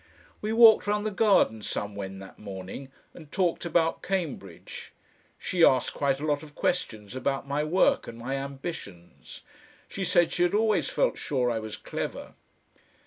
We walked round the garden somewhen that morning, and talked about Cambridge. She asked quite a lot of questions about my work and my ambitions. She said she had always felt sure I was clever.